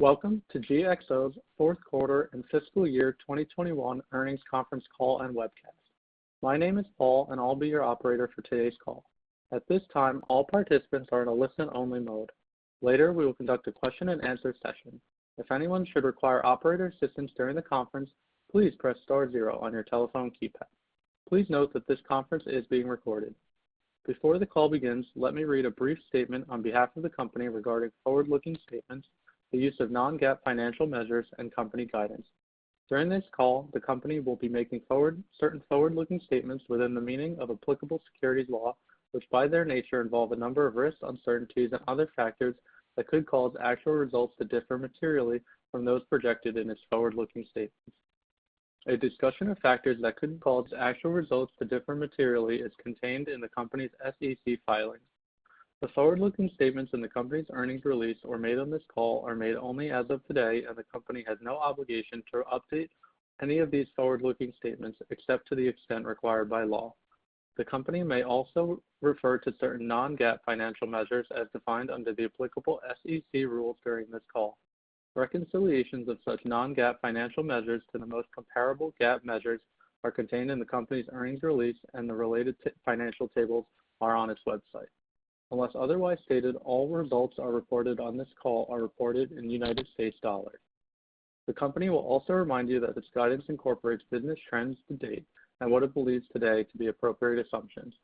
Welcome to GXO's fourth quarter and fiscal year 2021 earnings conference call and webcast. My name is Paul, and I'll be your operator for today's call. At this time, all participants are in a listen-only mode. Later, we will conduct a question-and-answer session. If anyone should require operator assistance during the conference, please press star zero on your telephone keypad. Please note that this conference is being recorded. Before the call begins, let me read a brief statement on behalf of the company regarding forward-looking statements, the use of non-GAAP financial measures, and company guidance. During this call, the company will be making certain forward-looking statements within the meaning of applicable securities law, which, by their nature, involve a number of risks, uncertainties and other factors that could cause actual results to differ materially from those projected in its forward-looking statements. A discussion of factors that could cause actual results to differ materially is contained in the company's SEC filing. The forward-looking statements in the company's earnings release or made on this call are made only as of today, and the company has no obligation to update any of these forward-looking statements, except to the extent required by law. The company may also refer to certain non-GAAP financial measures as defined under the applicable SEC rules during this call. Reconciliations of such non-GAAP financial measures to the most comparable GAAP measures are contained in the company's earnings release, and the related GAAP financial tables are on its website. Unless otherwise stated, all results reported on this call are in U.S. dollar. The company will also remind you that its guidance incorporates business trends to date and what it believes today to be appropriate assumptions.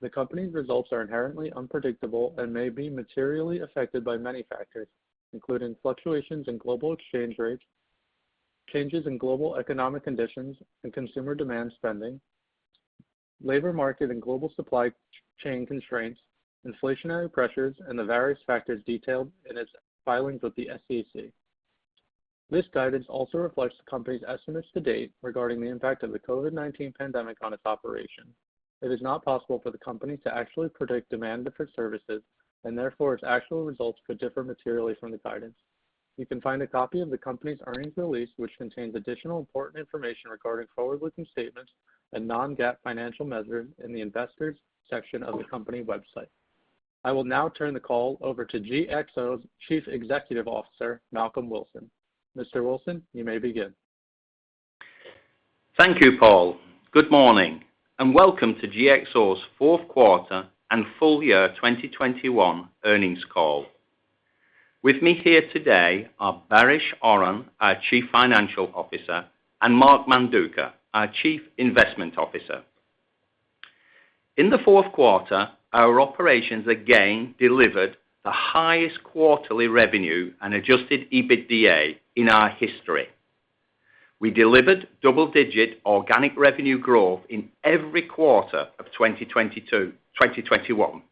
The company's results are inherently unpredictable and may be materially affected by many factors, including fluctuations in global exchange rates, changes in global economic conditions and consumer demand and spending, labor market and global supply chain constraints, inflationary pressures, and the various factors detailed in its filings with the SEC. This guidance also reflects the company's estimates to date regarding the impact of the COVID-19 pandemic on its operations. It is not possible for the company to actually predict demand for its services, and therefore, its actual results could differ materially from the guidance. You can find a copy of the company's earnings release, which contains additional important information regarding forward-looking statements and non-GAAP financial measures in the investors section of the company website. I will now turn the call over to GXO's Chief Executive Officer, Malcolm Wilson. Mr. Wilson, you may begin. Thank you, Paul. Good morning, and welcome to GXO's fourth quarter and full year 2021 earnings call. With me here today are Baris Oran, our Chief Financial Officer, and Mark Manduca, our Chief Investment Officer. In the fourth quarter, our operations again delivered the highest quarterly revenue and adjusted EBITDA in our history. We delivered double-digit organic revenue growth in every quarter of 2021.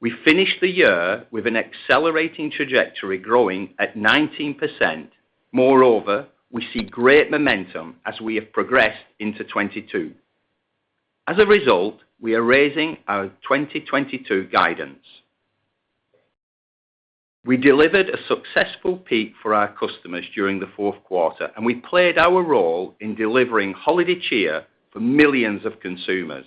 We finished the year with an accelerating trajectory growing at 19%. Moreover, we see great momentum as we have progressed into 2022. As a result, we are raising our 2022 guidance. We delivered a successful peak for our customers during the fourth quarter, and we played our role in delivering holiday cheer for millions of consumers.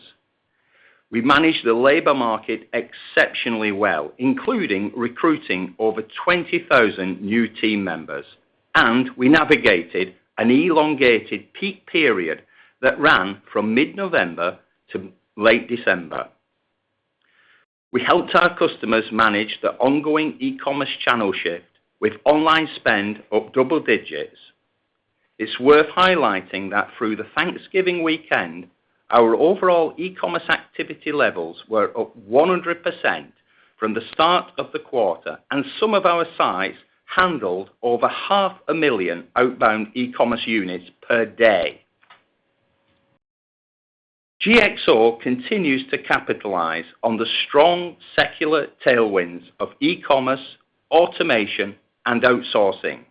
We managed the labor market exceptionally well, including recruiting over 20,000 new team members, and we navigated an elongated peak period that ran from mid-November to mid-late December. We helped our customers manage the ongoing e-commerce channel shift with online spend up double digits. It's worth highlighting that through the Thanksgiving weekend, our overall e-commerce activity levels were up 100% from the start of the quarter, and some of our sites handled over 500,000 outbound e-commerce units per day. GXO continues to capitalize on the strong secular tailwinds of e-commerce, automation, and outsourcing.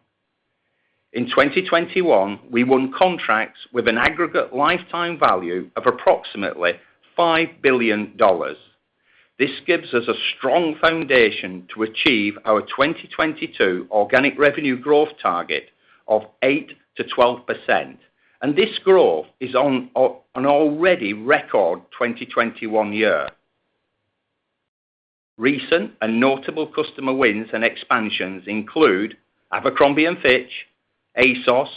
In 2021, we won contracts with an aggregate lifetime value of approximately $5 billion. This gives us a strong foundation to achieve our 2022 organic revenue growth target of 8%-12%, and this growth is on an already record 2021 year. Recent and notable customer wins and expansions include Abercrombie & Fitch, ASOS,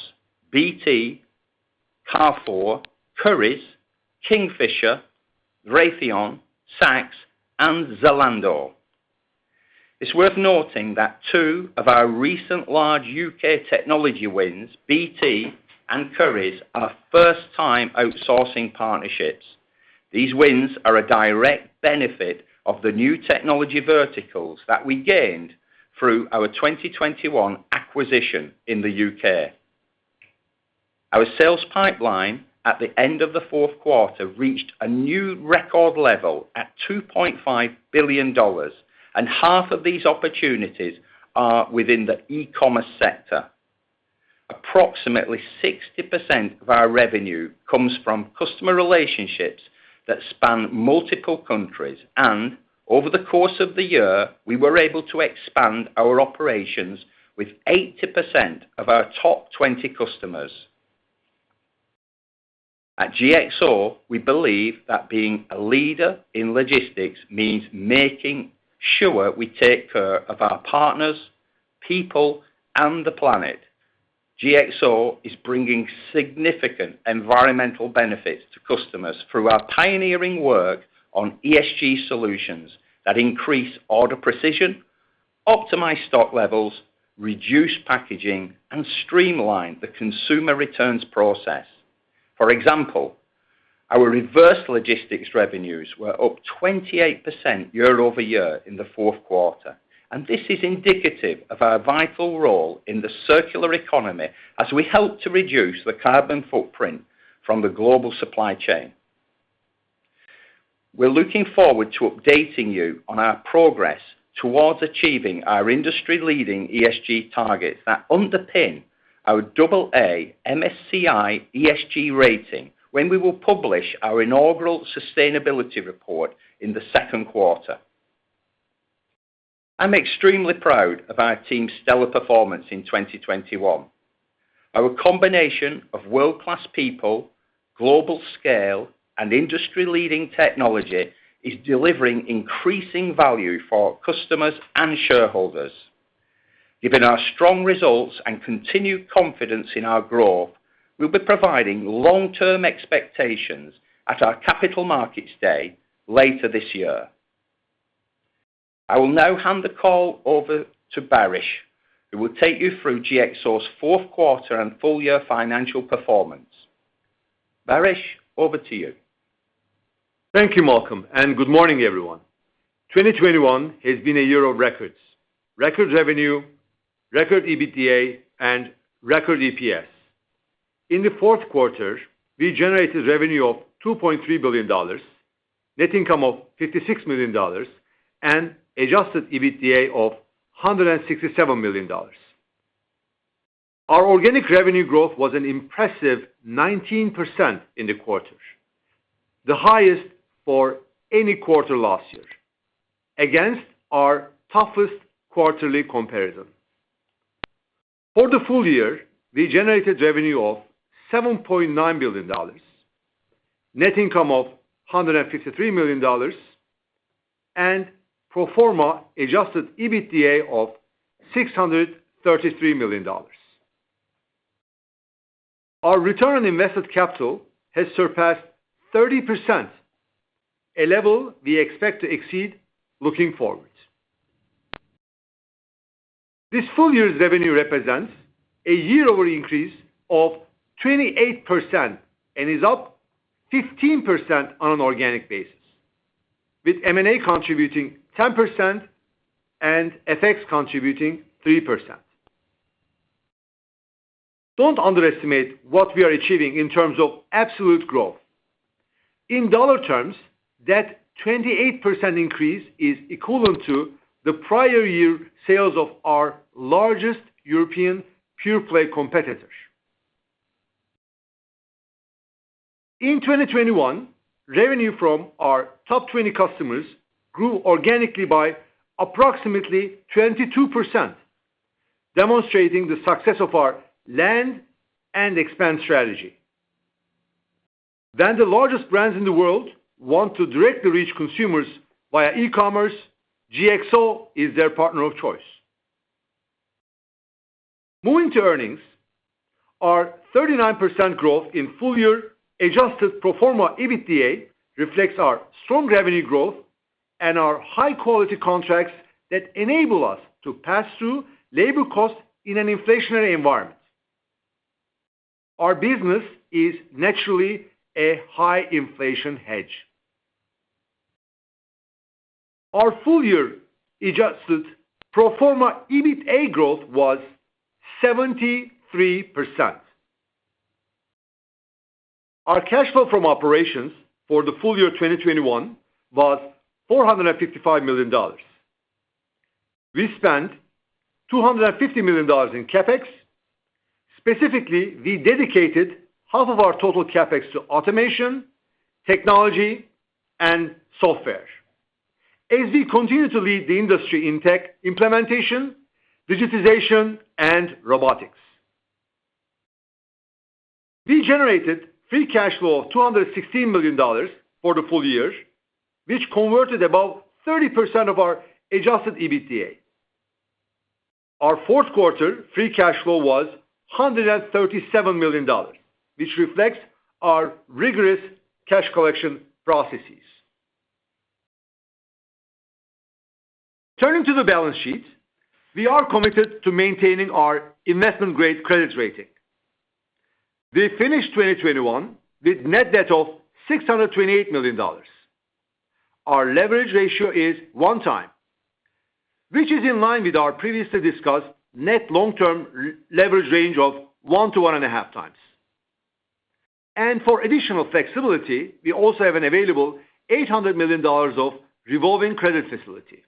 BT, Carrefour, Currys, Kingfisher, Raytheon, Saks, and Zalando. It's worth noting that two of our recent large U.K. technology wins, BT and Currys, are first-time outsourcing partnerships. These wins are a direct benefit of the new technology verticals that we gained through our 2021 acquisition in the U.K. Our sales pipeline at the end of the fourth quarter reached a new record level at $2.5 billion, and half of these opportunities are within the e-commerce sector. Approximately 60% of our revenue comes from customer relationships that span multiple countries, and over the course of the year, we were able to expand our operations with 80% of our top 20 customers. At GXO, we believe that being a leader in logistics means making sure we take care of our partners, people, and the planet. GXO is bringing significant environmental benefits to customers through our pioneering work on ESG solutions that increase order precision, optimize stock levels, reduce packaging, and streamline the consumer returns process. For example, our reverse logistics revenues were up 28% year-over-year in the fourth quarter. This is indicative of our vital role in the circular economy as we help to reduce the carbon footprint from the global supply chain. We're looking forward to updating you on our progress towards achieving our industry-leading ESG targets that underpin our AA MSCI ESG rating when we will publish our inaugural sustainability report in the second quarter. I'm extremely proud of our team's stellar performance in 2021. Our combination of world-class people, global scale, and industry-leading technology is delivering increasing value for our customers and shareholders. Given our strong results and continued confidence in our growth, we'll be providing long-term expectations at our Capital Markets Day later this year. I will now hand the call over to Baris, who will take you through GXO's fourth quarter and full year financial performance. Baris, over to you. Thank you, Malcolm, and good morning, everyone. 2021 has been a year of records. Record revenue, record EBITDA, and record EPS. In the fourth quarter, we generated revenue of $2.3 billion, net income of $56 million, and adjusted EBITDA of $167 million. Our organic revenue growth was an impressive 19% in the quarter, the highest for any quarter last year, against our toughest quarterly comparison. For the full year, we generated revenue of $7.9 billion, net income of $153 million, and pro forma adjusted EBITDA of $633 million. Our return on invested capital has surpassed 30%, a level we expect to exceed looking forward. This full year's revenue represents a year-over-year increase of 28% and is up 15% on an organic basis, with M&A contributing 10% and FX contributing 3%. Don't underestimate what we are achieving in terms of absolute growth. In dollar terms, that 28% increase is equivalent to the prior year sales of our largest European pure-play competitor. In 2021, revenue from our top 20 customers grew organically by approximately 22%, demonstrating the success of our land and expand strategy. The largest brands in the world want to directly reach consumers via e-commerce. GXO is their partner of choice. Moving to earnings. Our 39% growth in full year adjusted pro forma EBITDA reflects our strong revenue growth and our high-quality contracts that enable us to pass through labor costs in an inflationary environment. Our business is naturally a high inflation hedge. Our full year adjusted pro forma EBITDA growth was 73%. Our cash flow from operations for the full year 2021 was $455 million. We spent $250 million in CapEx. Specifically, we dedicated half of our total CapEx to automation, technology, and software as we continue to lead the industry in tech implementation, digitization, and robotics. We generated free cash flow of $216 million for the full year, which converted about 30% of our adjusted EBITDA. Our fourth quarter free cash flow was $137 million, which reflects our rigorous cash collection processes. Turning to the balance sheet, we are committed to maintaining our investment-grade credit rating. We finished 2021 with net debt of $628 million. Our leverage ratio is 1x, which is in line with our previously discussed net long-term leverage range of 1x-1.5x. For additional flexibility, we also have an available $800 million of revolving credit facility.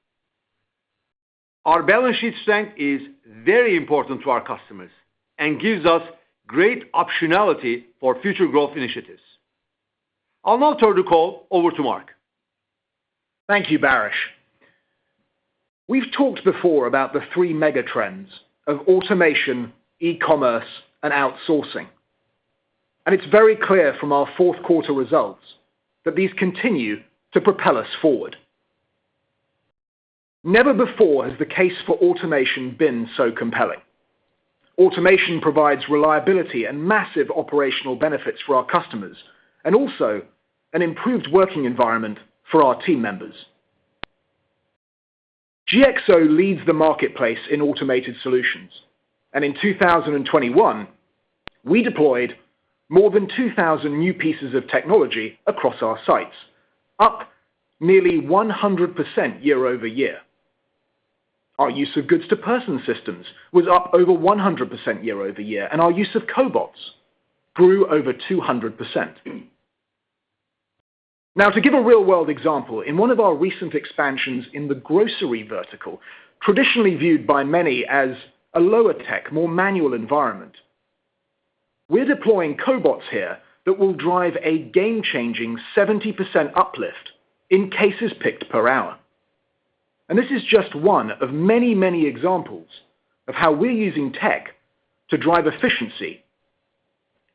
Our balance sheet strength is very important to our customers and gives us great optionality for future growth initiatives. I'll now turn the call over to Mark. Thank you, Baris. We've talked before about the three mega trends of automation, e-commerce, and outsourcing, and it's very clear from our fourth quarter results that these continue to propel us forward. Never before has the case for automation been so compelling. Automation provides reliability and massive operational benefits for our customers, and also an improved working environment for our team members. GXO leads the marketplace in automated solutions, and in 2021, we deployed more than 2,000 new pieces of technology across our sites, up nearly 100% year-over-year. Our use of goods-to-person systems was up over 100% year-over-year, and our use of cobots grew over 200%. Now, to give a real-world example, in one of our recent expansions in the grocery vertical, traditionally viewed by many as a lower tech, more manual environment. We're deploying cobots here that will drive a game-changing 70% uplift in cases picked per hour. This is just one of many, many examples of how we're using tech to drive efficiency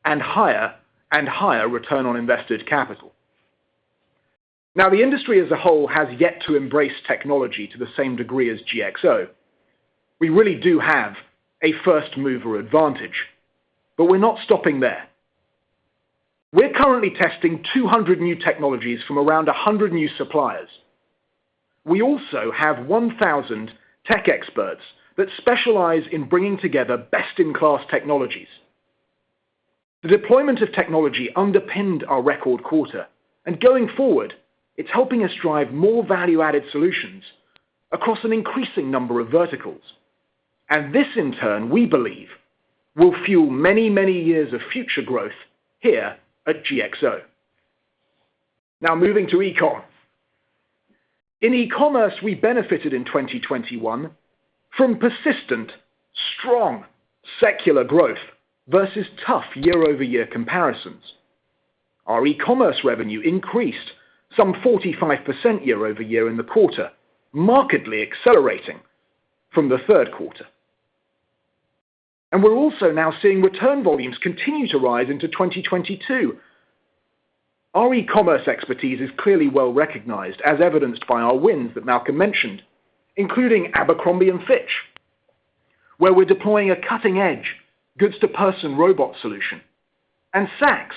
and higher and higher return on invested capital. Now, the industry as a whole has yet to embrace technology to the same degree as GXO. We really do have a first-mover advantage, but we're not stopping there. We're currently testing 200 new technologies from around 100 new suppliers. We also have 1,000 tech experts that specialize in bringing together best-in-class technologies. The deployment of technology underpinned our record quarter, and going forward, it's helping us drive more value-added solutions across an increasing number of verticals. This, in turn, we believe, will fuel many, many years of future growth here at GXO. Now moving to e-com. In e-commerce, we benefited in 2021 from persistent, strong secular growth versus tough year-over-year comparisons. Our e-commerce revenue increased some 45% year-over-year in the quarter, markedly accelerating from the third quarter. We're also now seeing return volumes continue to rise into 2022. Our e-commerce expertise is clearly well-recognized as evidenced by our wins that Malcolm mentioned, including Abercrombie & Fitch, where we're deploying a cutting-edge Goods-to-Person robot solution, and Saks,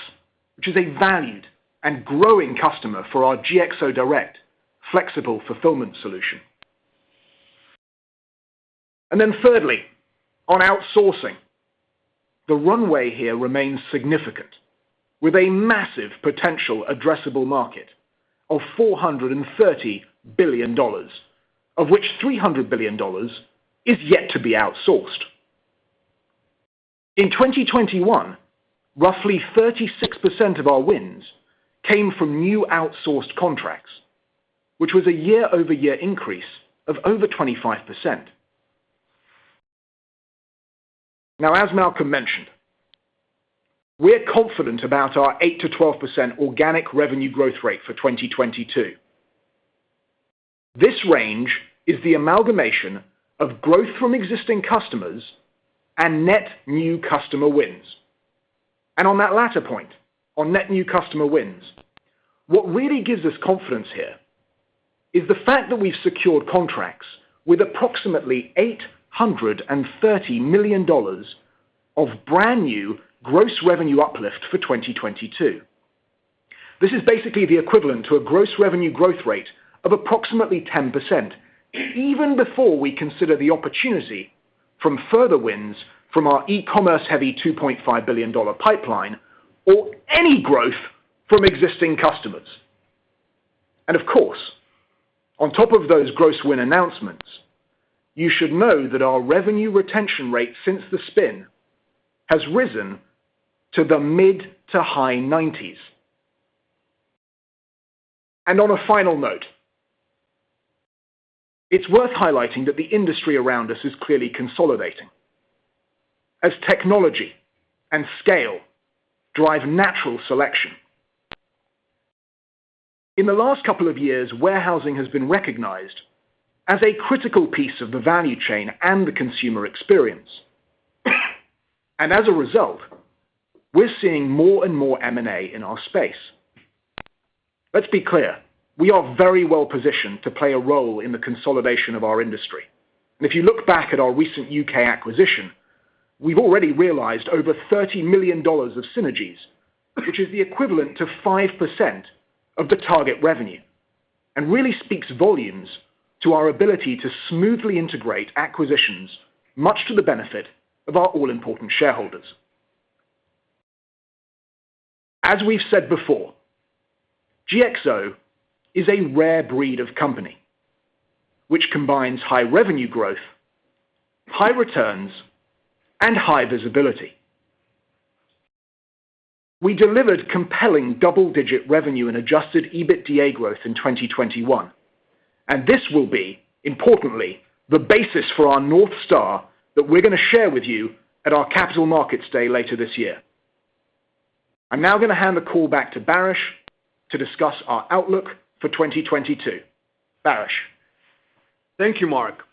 which is a valued and growing customer for our GXO Direct flexible fulfillment solution. Thirdly, on outsourcing. The runway here remains significant with a massive potential addressable market of $430 billion, of which $300 billion is yet to be outsourced. In 2021, roughly 36% of our wins came from new outsourced contracts, which was a year-over-year increase of over 25%. Now, as Malcolm mentioned, we're confident about our 8%-12% organic revenue growth rate for 2022. This range is the amalgamation of growth from existing customers and net new customer wins. On that latter point, on net new customer wins, what really gives us confidence here is the fact that we've secured contracts with approximately $830 million of brand new gross revenue uplift for 2022. This is basically the equivalent to a gross revenue growth rate of approximately 10%, even before we consider the opportunity from further wins from our e-commerce heavy $2.5 billion pipeline or any growth from existing customers. Of course, on top of those gross win announcements, you should know that our revenue retention rate since the spin has risen to the mid- to high 90s%. On a final note, it's worth highlighting that the industry around us is clearly consolidating as technology and scale drive natural selection. In the last couple of years, warehousing has been recognized as a critical piece of the value chain and the consumer experience. As a result, we're seeing more and more M&A in our space. Let's be clear, we are very well-positioned to play a role in the consolidation of our industry. If you look back at our recent U.K. acquisition, we've already realized over $30 million of synergies, which is the equivalent to 5% of the target revenue and really speaks volumes to our ability to smoothly integrate acquisitions, much to the benefit of our all-important shareholders. As we've said before, GXO is a rare breed of company which combines high revenue growth, high returns, and high visibility. We delivered compelling double-digit revenue and adjusted EBITDA growth in 2021, and this will be, importantly, the basis for our North Star that we're gonna share with you at our Capital Markets Day later this year. I'm now gonna hand the call back to Baris Oran to discuss our outlook for 2022. Baris Oran? Thank you, Mark.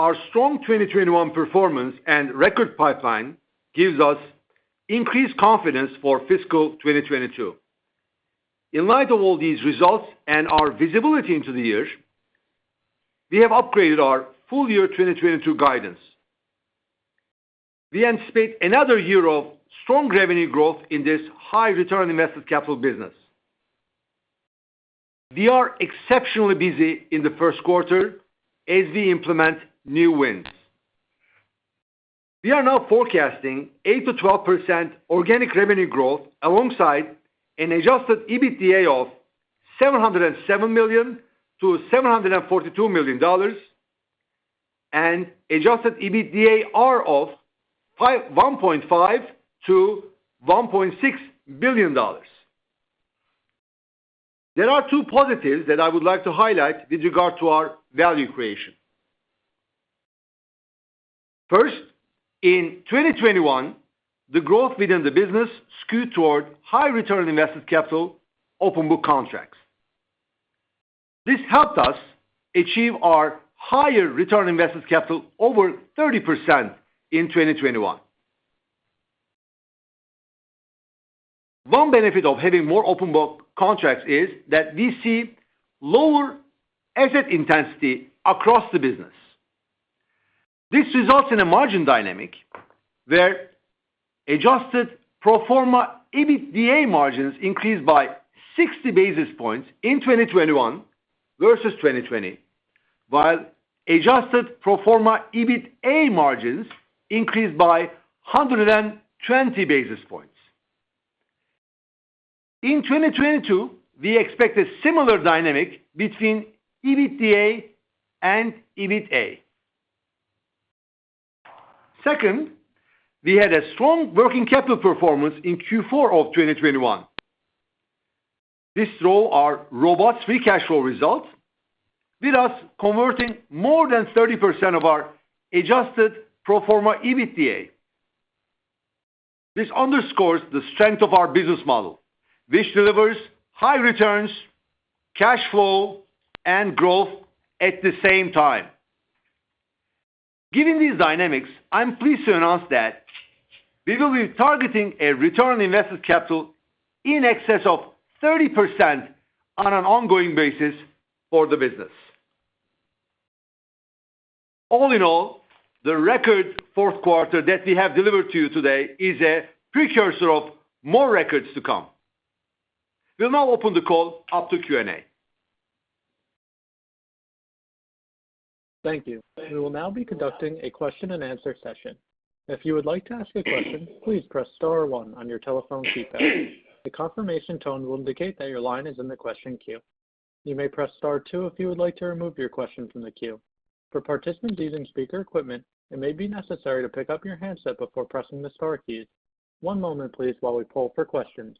Our strong 2021 performance and record pipeline gives us increased confidence for fiscal 2022. In light of all these results and our visibility into the year, we have upgraded our full year 2022 guidance. We anticipate another year of strong revenue growth in this high return invested capital business. We are exceptionally busy in the first quarter as we implement new wins. We are now forecasting 8%-12% organic revenue growth alongside an adjusted EBITDA of $707 million-$742 million, and adjusted EBITDA of $1.5 billion-$1.6 billion. There are two positives that I would like to highlight with regard to our value creation. First, in 2021, the growth within the business skewed toward high return on invested capital open book contracts. This helped us achieve our higher return on invested capital over 30% in 2021. One benefit of having more open book contracts is that we see lower asset intensity across the business. This results in a margin dynamic where adjusted pro forma EBITDA margins increased by 60 basis points in 2021 versus 2020, while adjusted pro forma EBITA margins increased by 120 basis points. In 2022, we expect a similar dynamic between EBITDA and EBITA. Second, we had a strong working capital performance in Q4 of 2021. This drove our robust free cash flow results, with us converting more than 30% of our adjusted pro forma EBITDA. This underscores the strength of our business model, which delivers high returns, cash flow, and growth at the same time. Given these dynamics, I'm pleased to announce that we will be targeting a return on invested capital in excess of 30% on an ongoing basis for the business. All in all, the record fourth quarter that we have delivered to you today is a precursor of more records to come. We'll now open the call up to Q&A. Thank you. We will now be conducting a question and answer session. If you would like to ask a question, please press star one on your telephone keypad. The confirmation tone will indicate that your line is in the question queue. You may press star two if you would like to remove your question from the queue. For participants using speaker equipment, it may be necessary to pick up your handset before pressing the star keys. One moment please while we poll for questions.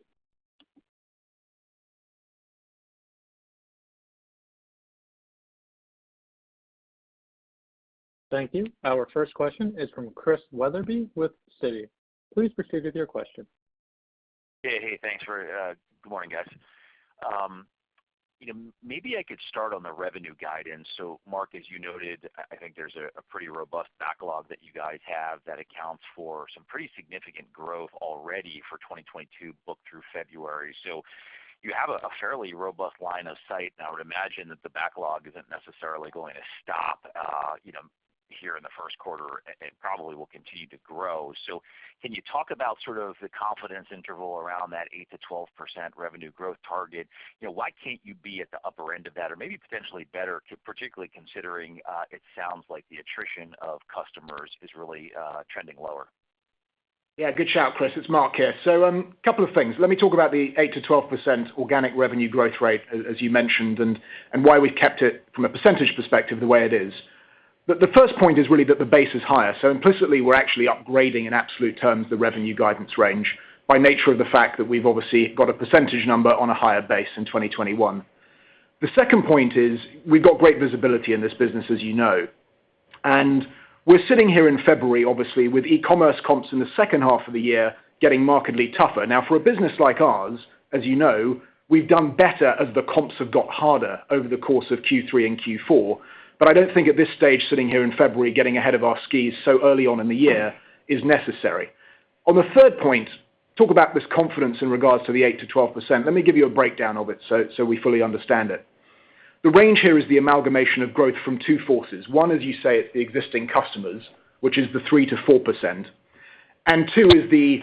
Thank you. Our first question is from Chris Wetherbee with Citi. Please proceed with your question. Hey, thanks, good morning, guys. Maybe I could start on the revenue guidance. Mark, as you noted, I think there's a pretty robust backlog that you guys have that accounts for some pretty significant growth already for 2022 booked through February. You have a fairly robust line of sight, and I would imagine that the backlog isn't necessarily going to stop, you know, here in the first quarter and probably will continue to grow. Can you talk about sort of the confidence interval around that 8%-12% revenue growth target? You know, why can't you be at the upper end of that? Or maybe potentially better, particularly considering it sounds like the attrition of customers is really trending lower. Yeah, good shout, Chris. It's Mark here. A couple of things. Let me talk about the 8%-12% organic revenue growth rate, as you mentioned, and why we've kept it from a percentage perspective the way it is. The first point is really that the base is higher. Implicitly, we're actually upgrading in absolute terms the revenue guidance range by nature of the fact that we've obviously got a percentage number on a higher base in 2021. The second point is we've got great visibility in this business, as you know. We're sitting here in February, obviously, with e-commerce comps in the second half of the year getting markedly tougher. Now, for a business like ours, as you know, we've done better as the comps have got harder over the course of Q3 and Q4. I don't think at this stage, sitting here in February, getting ahead of our skis so early on in the year is necessary. On the third point, talk about this confidence in regards to the 8%-12%. Let me give you a breakdown of it so we fully understand it. The range here is the amalgamation of growth from two forces. One, as you say, the existing customers, which is the 3%-4%, and two is the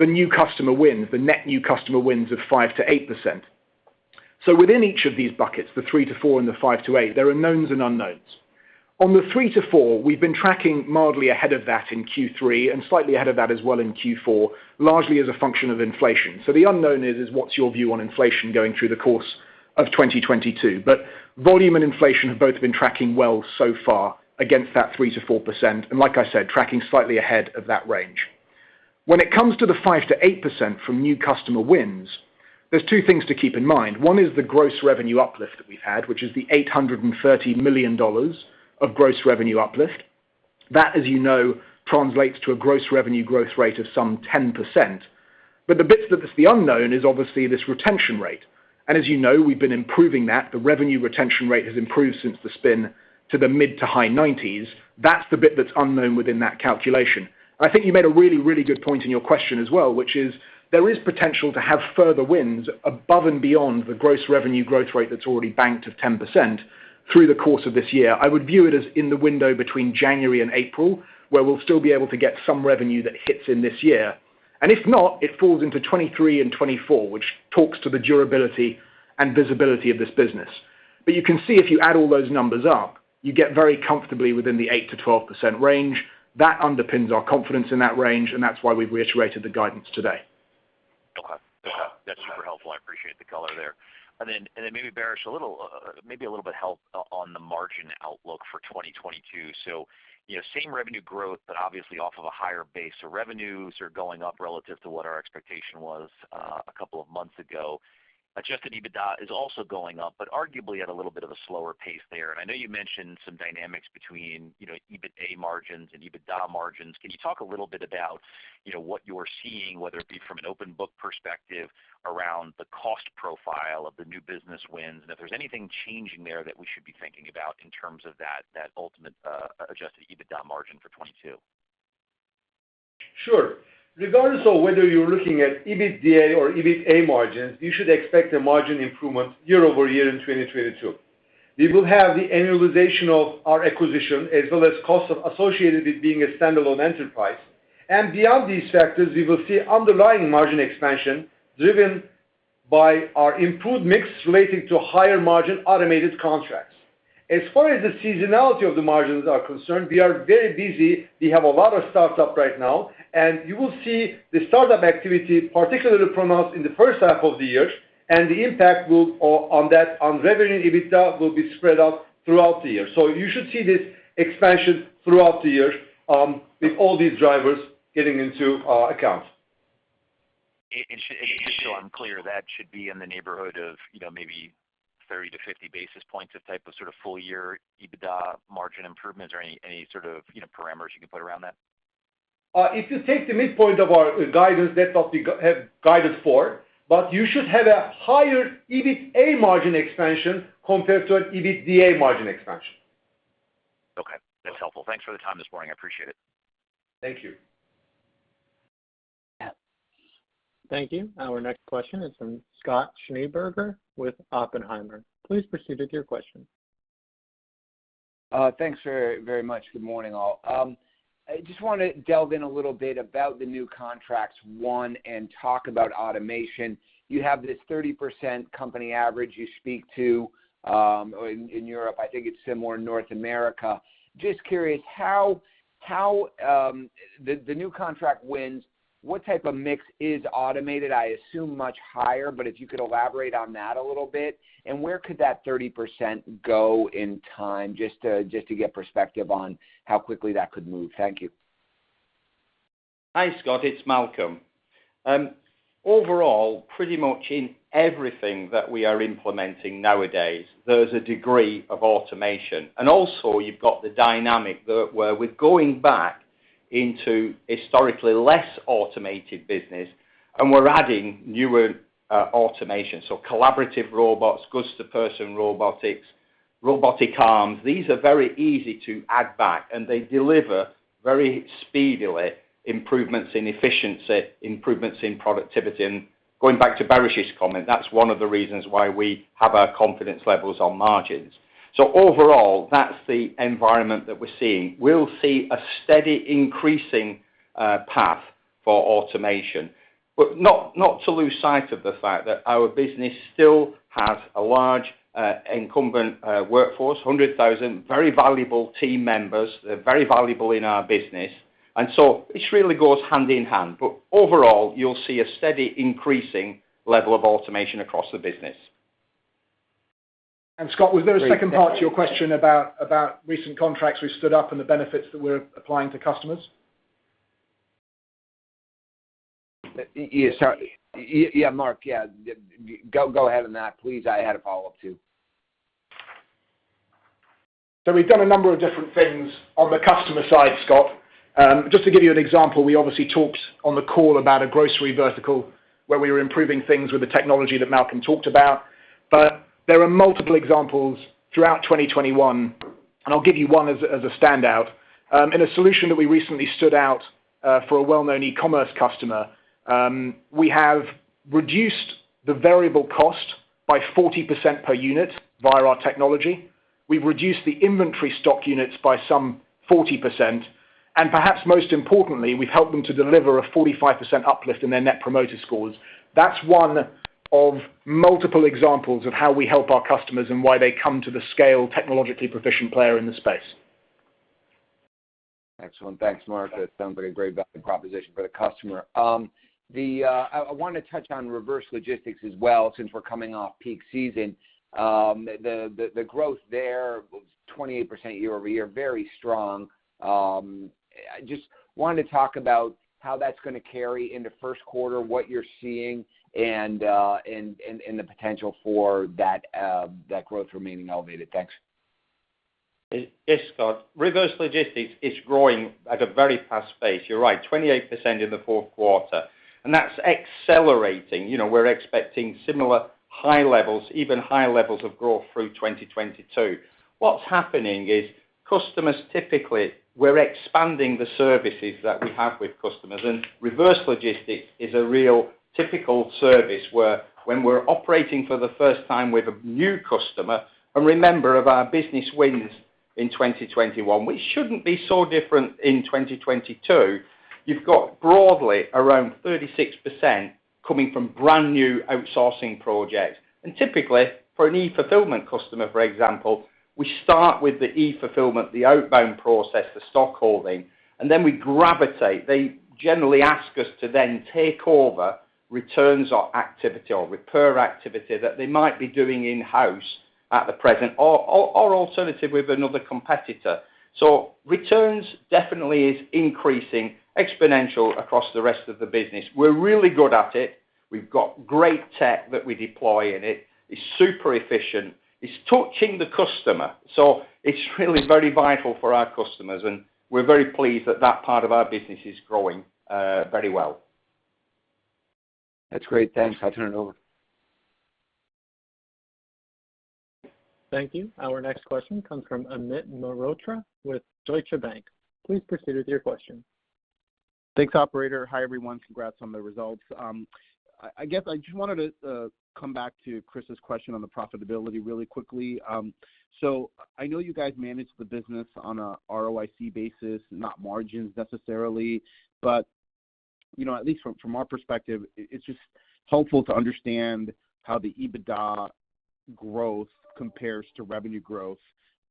new customer wins, the net new customer wins of 5%-8%. Within each of these buckets, the 3%-4% and the 5%-8%, there are knowns and unknowns. On the 3%-4%, we've been tracking mildly ahead of that in Q3 and slightly ahead of that as well in Q4, largely as a function of inflation. The unknown is what's your view on inflation going through the course of 2022. Volume and inflation have both been tracking well so far against that 3%-4%, and like I said, tracking slightly ahead of that range. When it comes to the 5%-8% from new customer wins, there's two things to keep in mind. One is the gross revenue uplift that we've had, which is the $830 million of gross revenue uplift. That, as you know, translates to a gross revenue growth rate of some 10%. The bit that is the unknown is obviously this retention rate. As you know, we've been improving that. The revenue retention rate has improved since the spin to the mid- to high 90s. That's the bit that's unknown within that calculation. I think you made a really, really good point in your question as well, which is there is potential to have further wins above and beyond the gross revenue growth rate that's already banked of 10% through the course of this year. I would view it as in the window between January and April, where we'll still be able to get some revenue that hits in this year. If not, it falls into 2023 and 2024, which talks to the durability and visibility of this business. You can see if you add all those numbers up, you get very comfortably within the 8%-12% range. That underpins our confidence in that range, and that's why we've reiterated the guidance today. Okay. That's super helpful. I appreciate the color there. Maybe Baris, a little bit of help on the margin outlook for 2022. You know, same revenue growth, but obviously off of a higher base. Revenues are going up relative to what our expectation was a couple of months ago. Adjusted EBITDA is also going up, but arguably at a little bit of a slower pace there. I know you mentioned some dynamics between, you know, EBITA margins and EBITDA margins. Can you talk a little bit about, you know, what you're seeing, whether it be from an open book perspective around the cost profile of the new business wins and if there's anything changing there that we should be thinking about in terms of that ultimate adjusted EBITDA margin for 2022? Sure. Regardless of whether you're looking at EBITDA or EBITA margins, you should expect a margin improvement year-over-year in 2022. We will have the annualization of our acquisition, as well as costs associated with being a standalone enterprise. Beyond these factors, we will see underlying margin expansion driven by our improved mix relating to higher margin automated contracts. As far as the seasonality of the margins are concerned, we are very busy. We have a lot of startup right now, and you will see the startup activity particularly pronounced in the first half of the year, and the impact on revenue EBITDA will be spread out throughout the year. You should see this expansion throughout the year, with all these drivers taken into account. Just so I'm clear, that should be in the neighborhood of, you know, maybe 30-50 basis points of type of sort of full year EBITDA margin improvements or any sort of, you know, parameters you can put around that? If you take the midpoint of our guidance, that's what we have guided for, but you should have a higher EBITA margin expansion compared to an EBITDA margin expansion. Okay. That's helpful. Thanks for the time this morning. I appreciate it. Thank you. Thank you. Our next question is from Scott Schneeberger with Oppenheimer. Please proceed with your question. Thanks very, very much. Good morning, all. I just wanna delve in a little bit about the new contracts won and talk about automation. You have this 30% company average you speak to in Europe. I think it's similar in North America. Just curious how the new contract wins, what type of mix is automated? I assume much higher, but if you could elaborate on that a little bit? Where could that 30% go in time? Just to get perspective on how quickly that could move? Thank you. Hi, Scott. It's Malcolm. Overall, pretty much in everything that we are implementing nowadays, there's a degree of automation. You've got the dynamic where we're going back into historically less automated business, and we're adding newer automation. Collaborative robots, Goods-to-Person robotics, robotic arms. These are very easy to add back, and they deliver very speedily improvements in efficiency, improvements in productivity. Going back to Baris's comment, that's one of the reasons why we have our confidence levels on margins. Overall, that's the environment that we're seeing. We'll see a steady increasing path for automation, but not to lose sight of the fact that our business still has a large incumbent workforce, 100,000 very valuable team members. They're very valuable in our business. This really goes hand in hand. Overall, you'll see a steady increasing level of automation across the business. Scott, was there a second part to your question about recent contracts we stood up and the benefits that we're applying to customers? Yes. Yeah, Mark. Yeah. Go ahead on that, please. I had a follow-up, too. We've done a number of different things on the customer side, Scott. Just to give you an example, we obviously talked on the call about a grocery vertical where we were improving things with the technology that Malcolm talked about. There are multiple examples throughout 2021, and I'll give you one as a standout. In a solution that we recently stood up for a well-known e-commerce customer, we have reduced the variable cost by 40% per unit via our technology. We've reduced the inventory stock units by some 40%. Perhaps most importantly, we've helped them to deliver a 45% uplift in their Net Promoter Score. That's one of multiple examples of how we help our customers and why they come to the scalable technologically proficient player in the space. Excellent. Thanks, Mark. That sounds like a great value proposition for the customer. I wanna touch on reverse logistics as well since we're coming off peak season. The growth there was 28% year-over-year, very strong. I just wanted to talk about how that's gonna carry in the first quarter, what you're seeing, and the potential for that growth remaining elevated. Thanks. Yes, Scott. Reverse logistics is growing at a very fast pace. You're right, 28% in the fourth quarter, and that's accelerating. You know, we're expecting similar high levels, even higher levels of growth through 2022. What's happening is customers typically, we're expanding the services that we have with customers, and reverse logistics is a real typical service where when we're operating for the first time with a new customer, and remember, of our business wins in 2021, we shouldn't be so different in 2022. You've got broadly around 36% coming from brand new outsourcing projects. Typically, for an e-fulfillment customer, for example, we start with the e-fulfillment, the outbound process, the stock holding, and then we gravitate. They generally ask us to then take over returns or activity or repair activity that they might be doing in-house at the present or alternative with another competitor. Returns definitely is increasing exponentially across the rest of the business. We're really good at it. We've got great tech that we deploy in it. It's super efficient. It's touching the customer. It's really very vital for our customers, and we're very pleased that that part of our business is growing very well. That's great. Thanks. I turn it over. Thank you. Our next question comes from Amit Mehrotra with Deutsche Bank. Please proceed with your question. Thanks, operator. Hi, everyone. Congrats on the results. I guess I just wanted to come back to Chris's question on the profitability really quickly. So I know you guys manage the business on a ROIC basis, not margins necessarily. You know, at least from our perspective, it's just helpful to understand how the EBITDA growth compares to revenue growth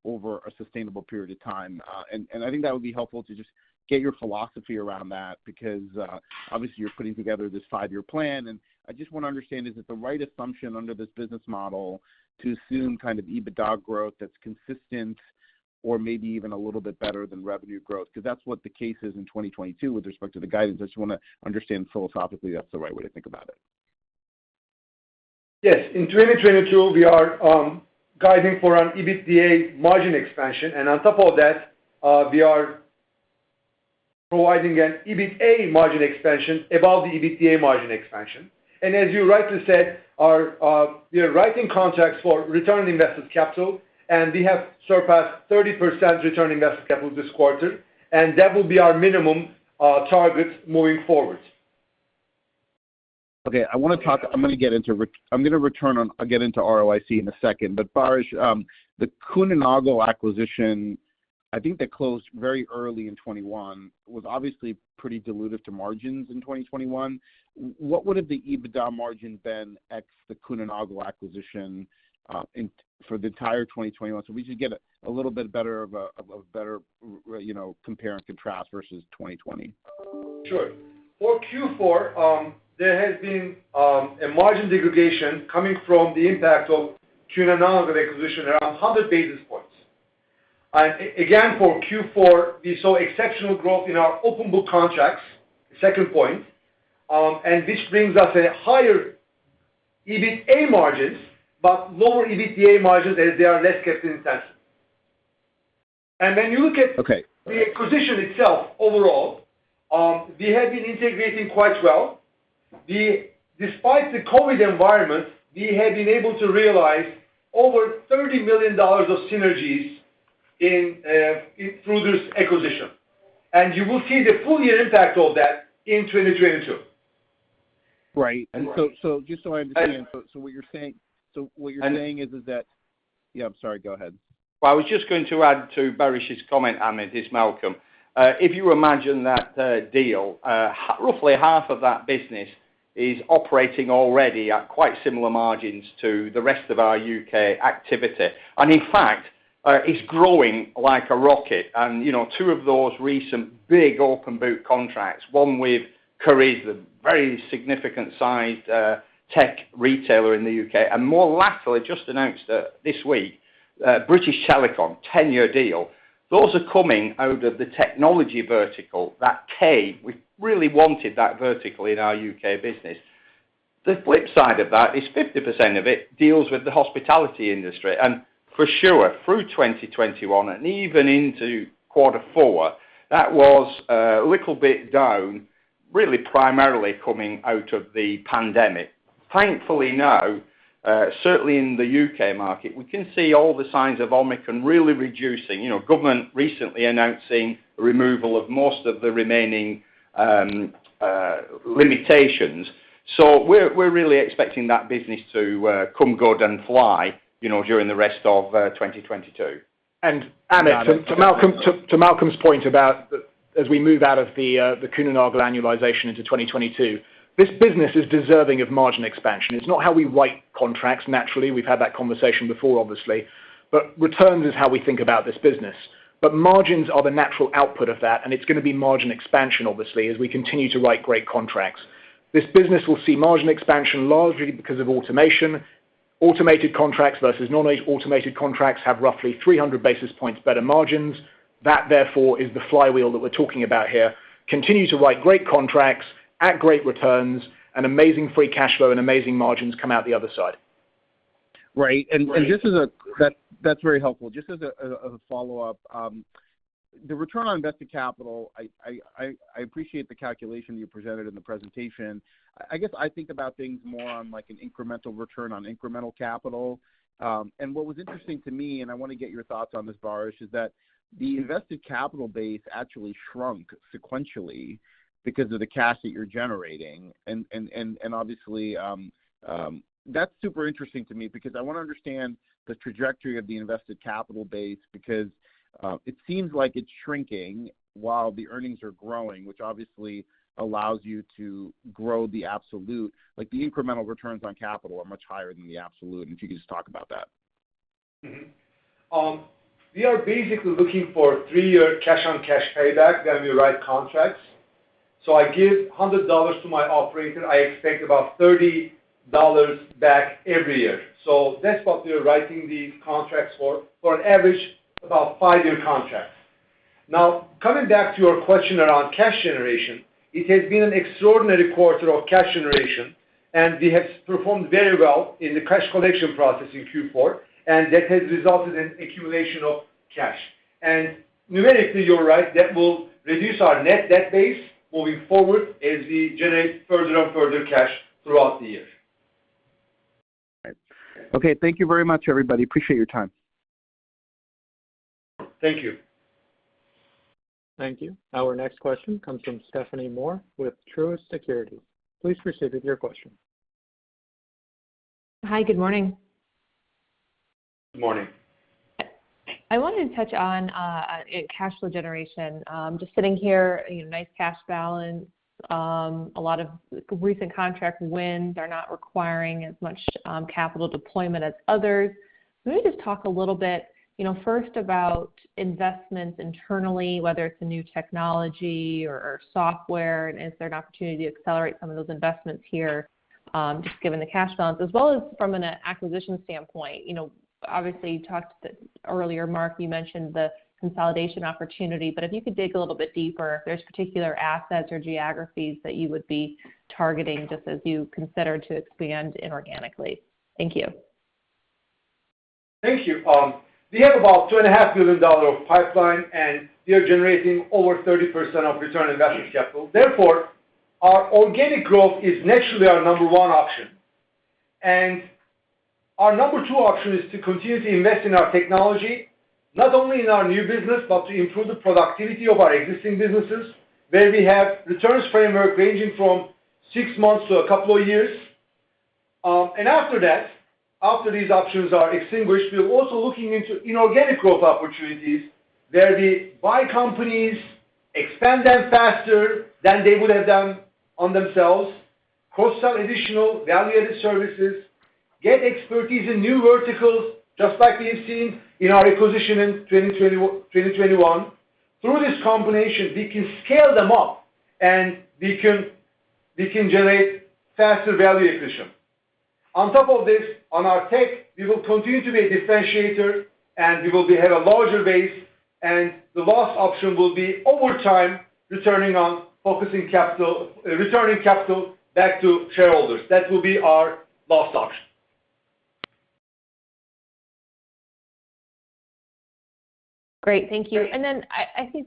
over a sustainable period of time. I think that would be helpful to just get your philosophy around that because, obviously you're putting together this five-year plan. I just wanna understand, is it the right assumption under this business model to assume kind of EBITDA growth that's consistent or maybe even a little bit better than revenue growth? Because that's what the case is in 2022 with respect to the guidance? I just wanna understand philosophically that's the right way to think about it. Yes. In 2022, we are guiding for an EBITDA margin expansion. On top of that, we are providing an EBITA margin expansion above the EBITDA margin expansion. As you rightly said, we are writing contracts for return on invested capital, and we have surpassed 30% return on invested capital this quarter, and that will be our minimum target moving forward. Okay. I wanna talk. I'm gonna get into ROIC in a second. Baris Oran, the Kuehne + Nagel acquisition, I think that closed very early in 2021, was obviously pretty dilutive to margins in 2021. What would the EBITDA margin been ex the Kuehne + Nagel acquisition for the entire 2021? We should get a little bit better, you know, compare and contrast versus 2020. Sure. For Q4, there has been a margin degradation coming from the impact of Kuehne + Nagel acquisition around 100 basis points. Again, for Q4, we saw exceptional growth in our open book contracts, second point, and this brings us a higher EBITA margins, but lower EBITDA margins as they are less capital-intensive. When you look at- Okay. The acquisition itself overall, we have been integrating quite well. Despite the COVID environment, we have been able to realize over $30 million of synergies through this acquisition. You will see the full year impact of that in 2022. Right. Just so I understand. What you're saying is that. Yeah, I'm sorry. Go ahead. I was just going to add to Baris Oran's comment, Amit. It's Malcolm. If you imagine that deal, roughly half of that business is operating already at quite similar margins to the rest of our U.K. activity. In fact, it's growing like a rocket. You know, two of those recent big open book contracts, one with Currys, the very significant sized tech retailer in the U.K., and more lately just announced this week, British Telecom, 10-year deal. Those are coming out of the technology vertical. That came. We really wanted that vertical in our U.K. business. The flip side of that is 50% of it deals with the hospitality industry. For sure, through 2021 and even into quarter four, that was a little bit down, really primarily coming out of the pandemic. Thankfully now, certainly in the U.K. market, we can see all the signs of Omicron really reducing. You know, government recently announcing removal of most of the remaining limitations. We're really expecting that business to come good and fly, you know, during the rest of 2022. Amit, to Malcolm's point about as we move out of the Cunanago annualization into 2022, this business is deserving of margin expansion. It's not how we write contracts naturally. We've had that conversation before, obviously. Returns is how we think about this business. Margins are the natural output of that, and it's gonna be margin expansion, obviously, as we continue to write great contracts. This business will see margin expansion largely because of automation. Automated contracts versus non-automated contracts have roughly 300 basis points better margins. That, therefore, is the flywheel that we're talking about here. Continue to write great contracts at great returns and amazing free cash flow and amazing margins come out the other side. Right. That's very helpful. Just as a follow-up, the return on invested capital, I appreciate the calculation you presented in the presentation. I guess I think about things more on, like, an incremental return on incremental capital. What was interesting to me, and I wanna get your thoughts on this, Baris, is that the invested capital base actually shrunk sequentially because of the cash that you're generating. Obviously, that's super interesting to me because I wanna understand the trajectory of the invested capital base because it seems like it's shrinking while the earnings are growing, which obviously allows you to grow the absolute. Like, the incremental returns on capital are much higher than the absolute, and if you could just talk about that. We are basically looking for three-year cash-on-cash payback when we write contracts. I give $100 to my operator, I expect about $30 back every year. That's what we are writing these contracts for an average about five-year contracts. Now, coming back to your question around cash generation, it has been an extraordinary quarter of cash generation, and we have performed very well in the cash collection process in Q4, and that has resulted in accumulation of cash. Numerically, you're right, that will reduce our net debt base moving forward as we generate further and further cash throughout the year. Right. Okay. Thank you very much, everybody. Appreciate your time. Thank you. Thank you. Our next question comes from Stephanie Moore with Truist Securities. Please proceed with your question. Hi. Good morning. Good morning. I wanted to touch on cash flow generation. Just sitting here, you know, nice cash balance, a lot of recent contract wins are not requiring as much capital deployment as others. Can we just talk a little bit, you know, first about investments internally, whether it's a new technology or software, and is there an opportunity to accelerate some of those investments here, just given the cash balance? As well as from an acquisition standpoint. You know, obviously, you talked earlier, Mark, you mentioned the consolidation opportunity, but if you could dig a little bit deeper, if there's particular assets or geographies that you would be targeting just as you consider to expand inorganically? Thank you. Thank you. We have about $2.5 million of pipeline, and we are generating over 30% of return on invested capital. Therefore, our organic growth is naturally our number one option. Our number two option is to continue to invest in our technology, not only in our new business, but to improve the productivity of our existing businesses, where we have returns framework ranging from six months to a couple of years. After that, after these options are extinguished, we're also looking into inorganic growth opportunities where we buy companies, expand them faster than they would have done on themselves, cross-sell additional value-added services, get expertise in new verticals, just like we have seen in our acquisition in 2021. Through this combination, we can scale them up, and we can generate faster value accretion. On top of this, on our tech, we will continue to be a differentiator, and we will have a larger base, and the last option will be, over time, returning capital back to shareholders. That will be our last option. Great. Thank you. I think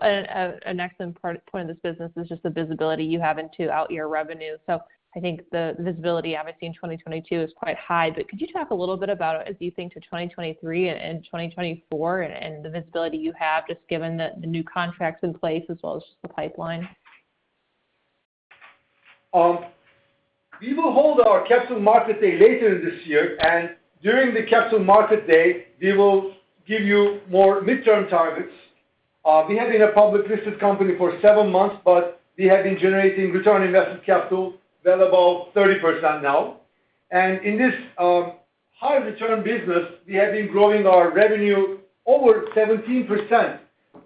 an excellent point of this business is just the visibility you have into out-year revenue. I think the visibility, obviously, in 2022 is quite high. Could you talk a little bit about, as you think to 2023 and 2024, and the visibility you have just given the new contracts in place as well as just the pipeline? We will hold our capital market day later this year, and during the capital market day, we will give you more midterm targets. We have been a public listed company for seven months, but we have been generating return on investment capital well above 30% now. In this high return business, we have been growing our revenue over 17%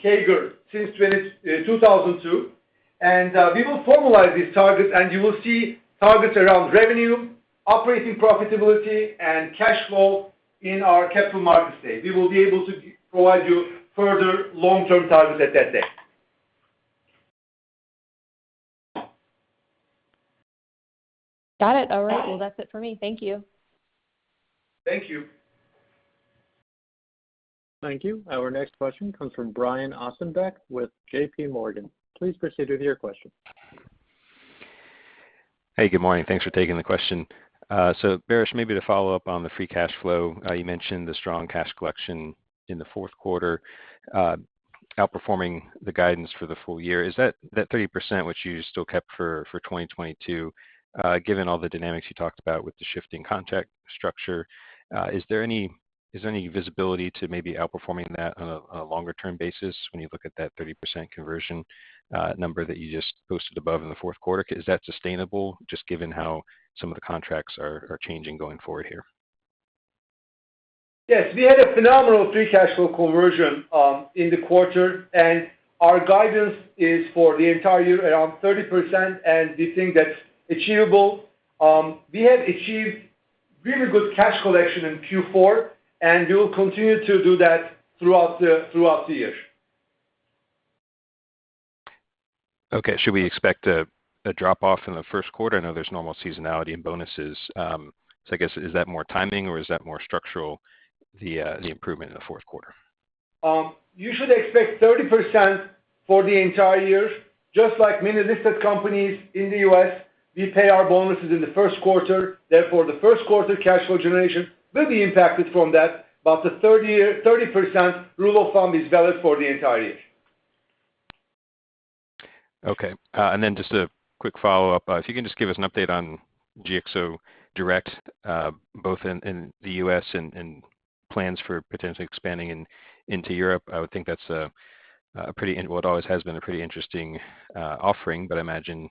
CAGR since 2002. We will formalize these targets, and you will see targets around revenue, operating profitability, and cash flow in our capital markets day. We will be able to provide you further long-term targets at that day. Got it. All right. Well, that's it for me. Thank you. Thank you. Thank you. Our next question comes from Brian Ossenbeck with JPMorgan. Please proceed with your question. Hey, good morning. Thanks for taking the question. So Baris, maybe to follow up on the free cash flow, you mentioned the strong cash collection in the fourth quarter, outperforming the guidance for the full year. Is that 30%, which you still kept for 2022, given all the dynamics you talked about with the shifting contract structure, is there any visibility to maybe outperforming that on a longer term basis when you look at that 30% conversion number that you just posted above in the fourth quarter? Is that sustainable just given how some of the contracts are changing going forward here? Yes, we had a phenomenal free cash flow conversion in the quarter, and our guidance is for the entire year around 30%, and we think that's achievable. We have achieved really good cash collection in Q4, and we will continue to do that throughout the year. Okay. Should we expect a drop-off in the first quarter? I know there's normal seasonality in bonuses. I guess, is that more timing or is that more structural, the improvement in the fourth quarter? You should expect 30% for the entire year. Just like many listed companies in the U.S., we pay our bonuses in the first quarter. Therefore, the first quarter cash flow generation will be impacted from that. The 30% rule of thumb is valid for the entire year. Okay. Just a quick follow-up. If you can just give us an update on GXO Direct, both in the U.S. and plans for potentially expanding into Europe. Well, it always has been a pretty interesting offering. I imagine,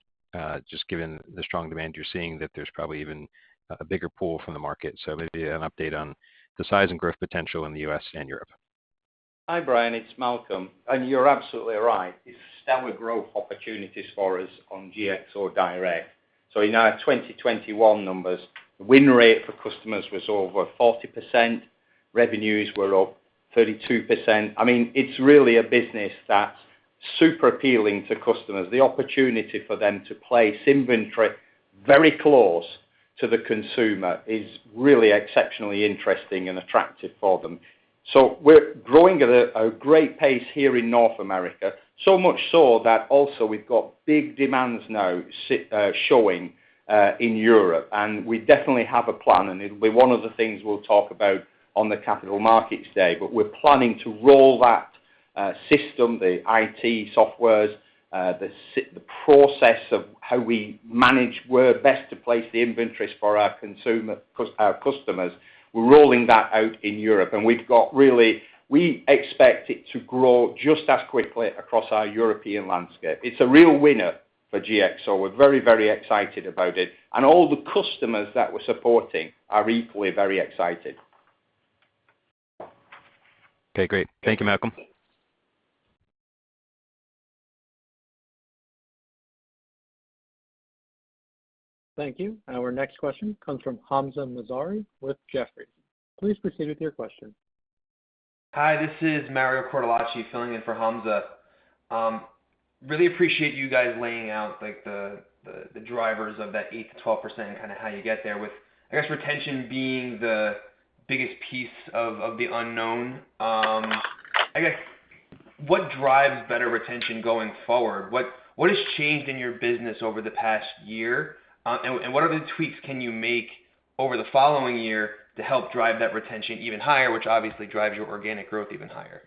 just given the strong demand you're seeing, that there's probably even a bigger pool from the market. Maybe an update on the size and growth potential in the U.S. and Europe? Hi, Brian. It's Malcolm. You're absolutely right. It's stellar growth opportunities for us on GXO Direct. In our 2021 numbers, win rate for customers was over 40%, revenues were up 32%. I mean, it's really a business that's super appealing to customers. The opportunity for them to place inventory very close to the consumer is really exceptionally interesting and attractive for them. We're growing at a great pace here in North America. Much so that we've got big demands now showing in Europe. We definitely have a plan, and it'll be one of the things we'll talk about on the capital markets day. We're planning to roll that system, the IT softwares, the process of how we manage where best to place the inventories for our customers. We're rolling that out in Europe, and we expect it to grow just as quickly across our European landscape. It's a real winner for GXO. We're very, very excited about it, and all the customers that we're supporting are equally very excited. Okay, great. Thank you, Malcolm. Thank you. Our next question comes from Hamzah Mazari with Jefferies. Please proceed with your question. Hi, this is Mario Cortellacci filling in for Hamza. Really appreciate you guys laying out like the drivers of that 8%-12% and kind of how you get there with, I guess, retention being the biggest piece of the unknown? I guess what drives better retention going forward? What has changed in your business over the past year? What are the tweaks can you make over the following year to help drive that retention even higher, which obviously drives your organic growth even higher?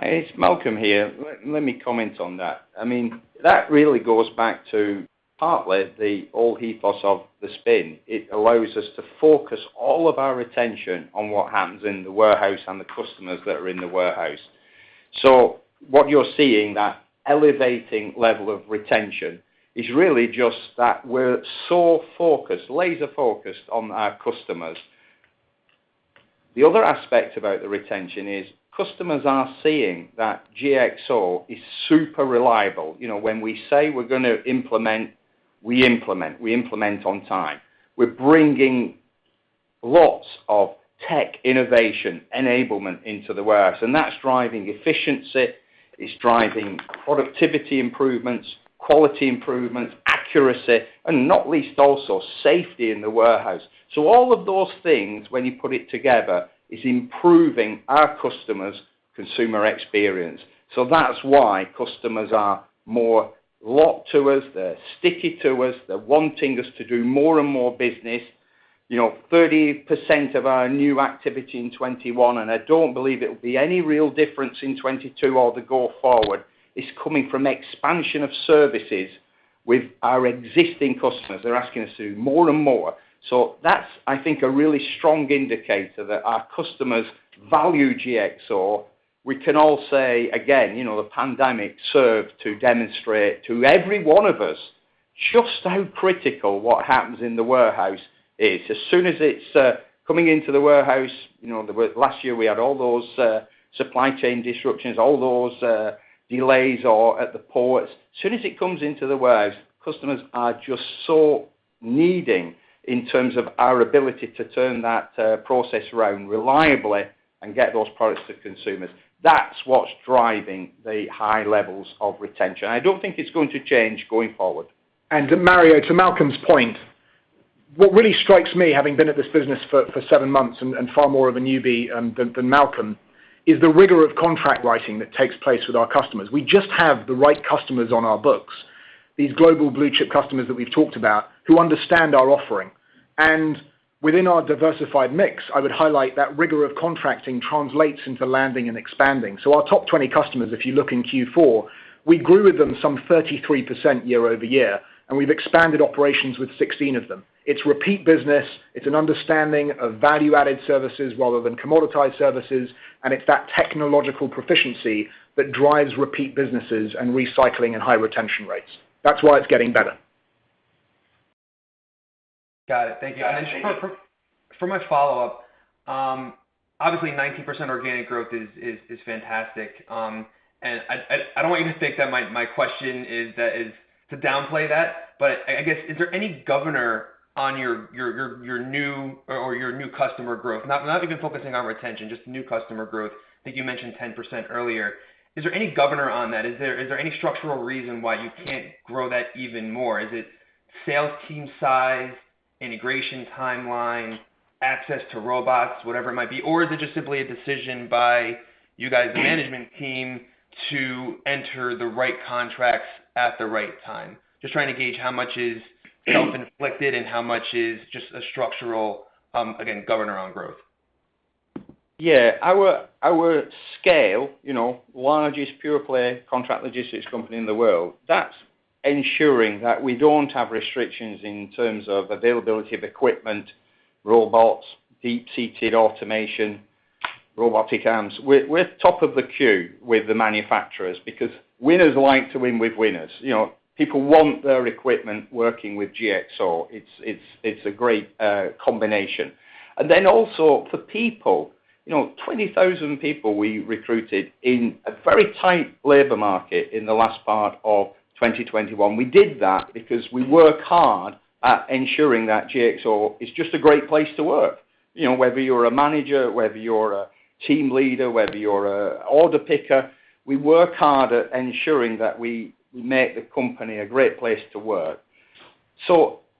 Hey, it's Malcolm here. Let me comment on that. I mean, that really goes back to partly the whole ethos of the spin. It allows us to focus all of our attention on what happens in the warehouse and the customers that are in the warehouse. What you're seeing, that elevating level of retention, is really just that we're so focused, laser focused on our customers. The other aspect about the retention is customers are seeing that GXO is super reliable. You know, when we say we're gonna implement, we implement. We implement on time. We're bringing lots of tech innovation enablement into the warehouse, and that's driving efficiency, it's driving productivity improvements, quality improvements, accuracy, and not least also safety in the warehouse. All of those things, when you put it together, is improving our customers' consumer experience. That's why customers are more locked to us, they're sticky to us. They're wanting us to do more and more business. You know, 30% of our new activity in 2021, and I don't believe it will be any real difference in 2022 or going forward, is coming from expansion of services with our existing customers. They're asking us to do more and more. That's, I think, a really strong indicator that our customers value GXO. We can all say again, you know, the pandemic served to demonstrate to every one of us just how critical what happens in the warehouse is. As soon as it's coming into the warehouse, you know. Last year we had all those supply chain disruptions, all those delays at the ports. As soon as it comes into the warehouse, customers are just so needing in terms of our ability to turn that process around reliably and get those products to consumers. That's what's driving the high levels of retention. I don't think it's going to change going forward. Mario, to Malcolm's point, what really strikes me, having been at this business for seven months and far more of a newbie than Malcolm, is the rigor of contract writing that takes place with our customers. We just have the right customers on our books, these global blue-chip customers that we've talked about who understand our offering. Within our diversified mix, I would highlight that rigor of contracting translates into landing and expanding. Our top 20 customers, if you look in Q4, we grew with them some 33% year-over-year, and we've expanded operations with 16 of them. It's repeat business. It's an understanding of value-added services rather than commoditized services, and it's that technological proficiency that drives repeat businesses and recycling and high retention rates. That's why it's getting better. Got it. Thank you. For my follow-up, obviously 19% organic growth is fantastic. I don't want you to think that my question is to downplay that. I guess, is there any governor on your new customer growth? Not even focusing on retention, just new customer growth that you mentioned 10% earlier. Is there any governor on that? Is there any structural reason why you can't grow that even more? Is it sales team size, integration timeline, access to robots, whatever it might be? Or is it just simply a decision by you guys, the management team, to enter the right contracts at the right time? Just trying to gauge how much is self-inflicted and how much is just a structural, again, governor on growth? Yeah. Our scale, you know, largest pure play contract logistics company in the world, that's ensuring that we don't have restrictions in terms of availability of equipment, robots, deep seated automation, robotic arms. We're top of the queue with the manufacturers because winners like to win with winners. You know, people want their equipment working with GXO. It's a great combination. Then also for people, you know, 20,000 people we recruited in a very tight labor market in the last part of 2021. We did that because we work hard at ensuring that GXO is just a great place to work. You know, whether you're a manager, whether you're a team leader, whether you're a order picker, we work hard at ensuring that we make the company a great place to work.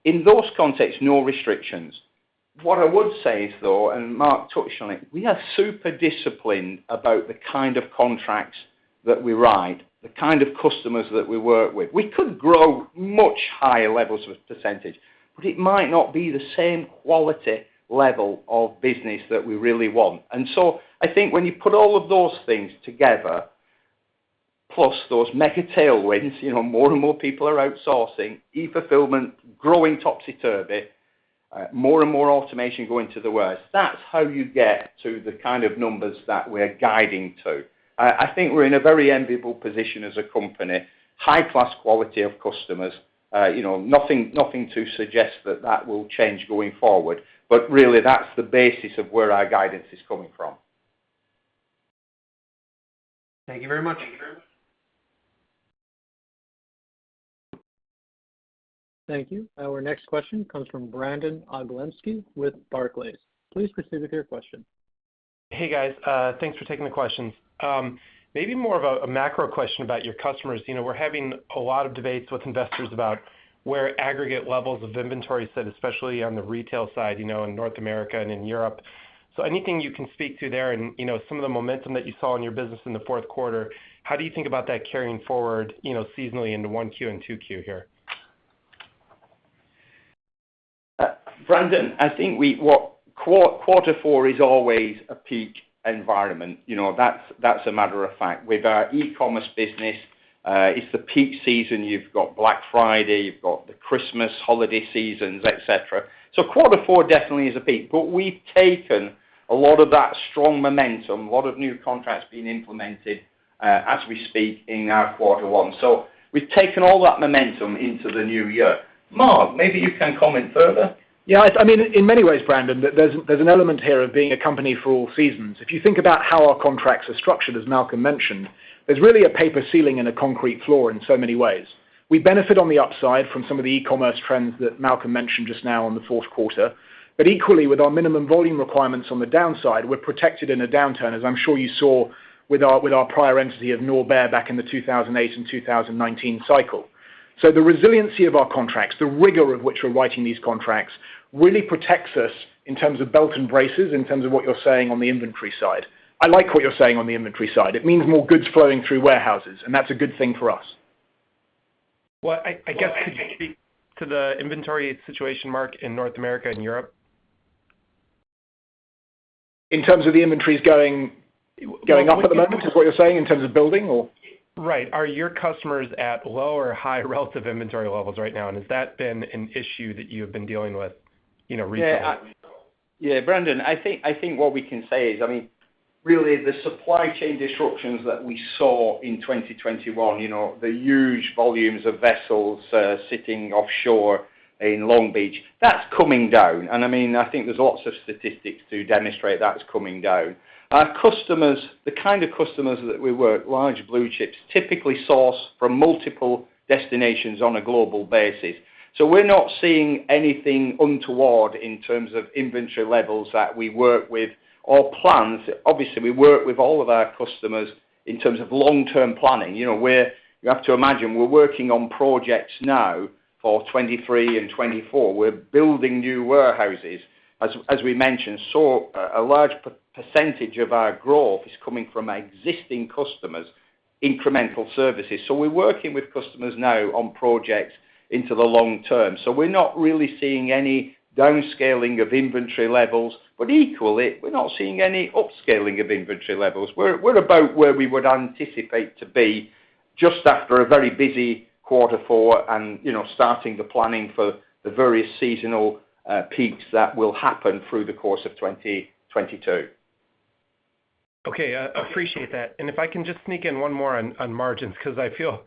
In those contexts, no restrictions. What I would say is though, and Mark touched on it, we are super disciplined about the kind of contracts that we write, the kind of customers that we work with. We could grow much higher levels of percentage, but it might not be the same quality level of business that we really want. I think when you put all of those things together, plus those mega tailwinds, you know, more and more people are outsourcing e-fulfillment, growing topsy-turvy, more and more automation going to the worst. That's how you get to the kind of numbers that we're guiding to. I think we're in a very enviable position as a company, high-class quality of customers, you know, nothing to suggest that that will change going forward. Really, that's the basis of where our guidance is coming from. Thank you very much. Thank you. Our next question comes from Brandon Oglenski with Barclays. Please proceed with your question. Hey, guys. Thanks for taking the questions. Maybe more of a macro question about your customers. You know, we're having a lot of debates with investors about where aggregate levels of inventory sit, especially on the retail side, you know, in North America and in Europe. Anything you can speak to there and, you know, some of the momentum that you saw in your business in the fourth quarter, how do you think about that carrying forward, you know, seasonally into 1Q and 2Q here? Brandon, quarter four is always a peak environment. You know, that's a matter of fact. With our e-commerce business, it's the peak season. You've got Black Friday, you've got the Christmas holiday seasons, et cetera. Quarter four definitely is a peak. We've taken a lot of that strong momentum, a lot of new contracts being implemented, as we speak in our quarter one. We've taken all that momentum into the new year. Mark, maybe you can comment further. Yeah. I mean, in many ways, Brandon, there's an element here of being a company for all seasons. If you think about how our contracts are structured, as Malcolm mentioned, there's really a paper ceiling and a concrete floor in so many ways. We benefit on the upside from some of the e-commerce trends that Malcolm mentioned just now in the fourth quarter. Equally, with our minimum volume requirements on the downside, we're protected in a downturn, as I'm sure you saw with our prior entity of Norbert back in the 2008 and 2019 cycle. The resiliency of our contracts, the rigor of which we're writing these contracts really protects us in terms of belt and braces, in terms of what you're saying on the inventory side. I like what you're saying on the inventory side. It means more goods flowing through warehouses, and that's a good thing for us. Well, I guess could you speak to the inventory situation, Mark, in North America and Europe? In terms of the inventories going up at the moment is what you're saying in terms of building or? Right. Are your customers at low or high relative inventory levels right now? Has that been an issue that you have been dealing with, you know, recently? Yeah. Brandon, I think what we can say is, I mean, really the supply chain disruptions that we saw in 2021, you know, the huge volumes of vessels sitting offshore in Long Beach, that's coming down. I mean, I think there's lots of statistics to demonstrate that's coming down. Our customers, the kind of customers that we work with, large blue chips, typically source from multiple destinations on a global basis. We're not seeing anything untoward in terms of inventory levels that we work with or plans. Obviously, we work with all of our customers in terms of long-term planning. You know, you have to imagine we're working on projects now for 2023 and 2024. We're building new warehouses. As we mentioned, a large percentage of our growth is coming from existing customers incremental services. We're working with customers now on projects into the long term. We're not really seeing any downscaling of inventory levels, but equally, we're not seeing any upscaling of inventory levels. We're about where we would anticipate to be just after a very busy quarter four and, you know, starting the planning for the various seasonal peaks that will happen through the course of 2022. Okay, appreciate that. If I can just sneak in one more on margins 'cause I feel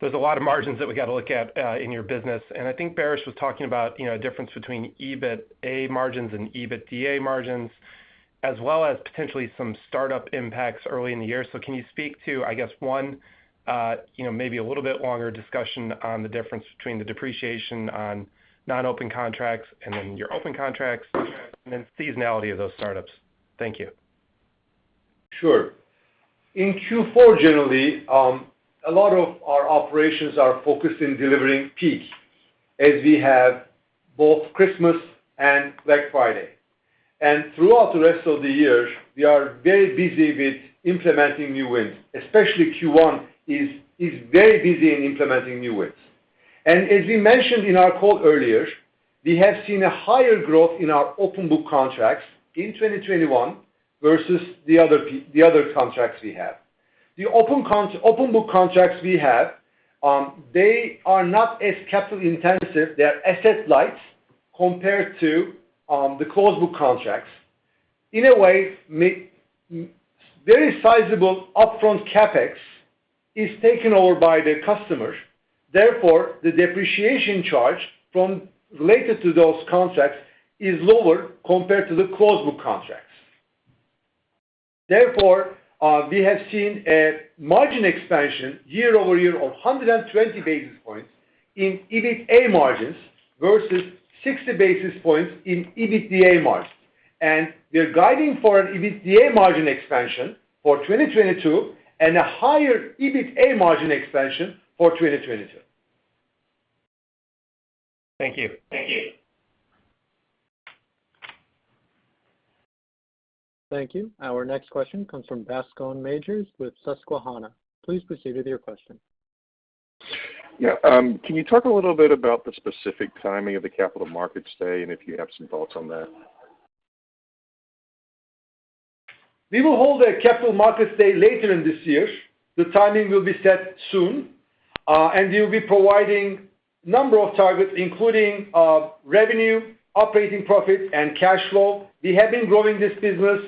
there's a lot of margins that we gotta look at in your business. I think Baris was talking about, you know, difference between EBITA margins and EBITDA margins, as well as potentially some startup impacts early in the year. Can you speak to, I guess, one, you know, maybe a little bit longer discussion on the difference between the depreciation on non-open contracts and then your open contracts, and then seasonality of those startups? Thank you. Sure. In Q4, generally, a lot of our operations are focused on delivering peak as we have both Christmas and Black Friday. Throughout the rest of the year, we are very busy with implementing new wins, especially Q1 is very busy in implementing new wins. As we mentioned in our call earlier, we have seen a higher growth in our open book contracts in 2021 versus the other contracts we have. The open book contracts we have, they are not as capital intensive, they are asset light compared to the closed book contracts. In a way, very sizable upfront CapEx is taken over by the customer, therefore, the depreciation charge related to those contracts is lower compared to the closed book contracts. Therefore, we have seen a margin expansion year-over-year of 120 basis points in EBITA margins versus 60 basis points in EBITDA margins. We're guiding for an EBITDA margin expansion for 2022 and a higher EBITA margin expansion for 2022. Thank you. Thank you. Thank you. Our next question comes from Bascome Majors with Susquehanna. Please proceed with your question. Yeah. Can you talk a little bit about the specific timing of the Capital Markets Day and if you have some thoughts on that? We will hold a capital markets day later in this year. The timing will be set soon, and we'll be providing a number of targets, including revenue, operating profits and cash flow. We have been growing this business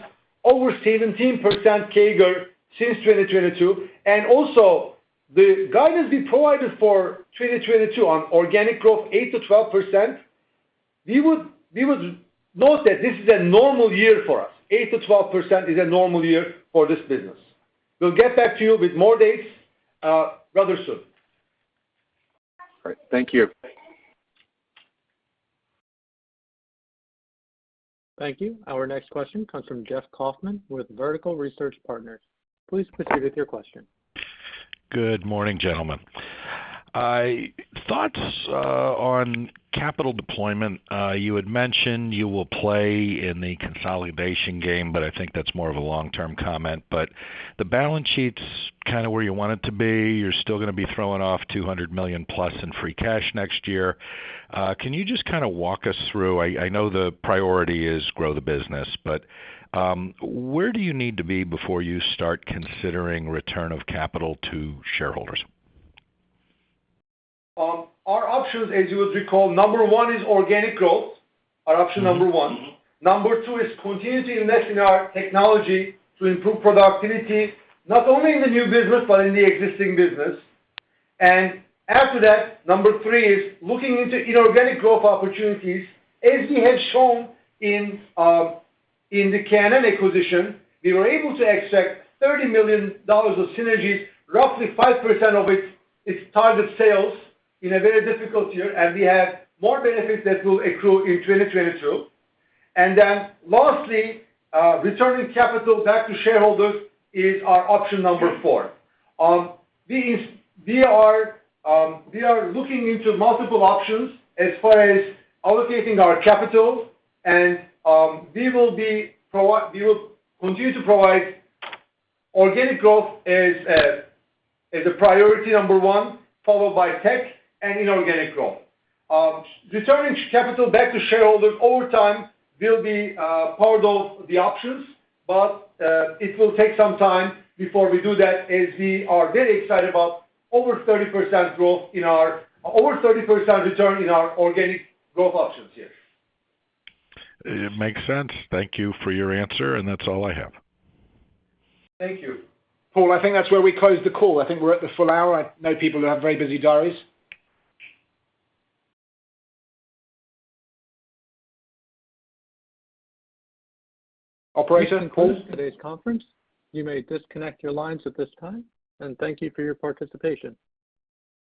over 17% CAGR since 2022, and also the guidance we provided for 2022 on organic growth, 8%-12%, we would note that this is a normal year for us. 8%-12% is a normal year for this business. We'll get back to you with more dates, rather soon. All right. Thank you. Thank you. Our next question comes from Jeff Kauffman with Vertical Research Partners. Please proceed with your question. Good morning, gentlemen. Thoughts on capital deployment. You had mentioned you will play in the consolidation game, but I think that's more of a long-term comment. The balance sheet's kinda where you want it to be. You're still gonna be throwing off $200 million plus in free cash next year. Can you just kinda walk us through. I know the priority is grow the business, but where do you need to be before you start considering return of capital to shareholders? Our options, as you would recall, number one is organic growth, our option number one. Number two is continue to invest in our technology to improve productivity, not only in the new business but in the existing business. After that, number three is looking into inorganic growth opportunities. As we had shown in the K&M acquisition, we were able to extract $30 million of synergies, roughly 5% of its target sales in a very difficult year, and we have more benefits that will accrue in 2022. Lastly, returning capital back to shareholders is our option number four. We are looking into multiple options as far as allocating our capital and we will continue to provide organic growth as a priority number one, followed by tech and inorganic growth. Returning capital back to shareholders over time will be part of the options, but it will take some time before we do that as we are very excited about over 30% return in our organic growth options here. It makes sense. Thank you for your answer, and that's all I have. Thank you. Paul, I think that's where we close the call. I think we're at the full hour. I know people who have very busy diaries. Operator and Paul. This concludes today's conference. You may disconnect your lines at this time, and thank you for your participation.